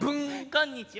こんにちは！